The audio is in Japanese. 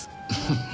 フフ。